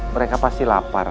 mereka pasti lapar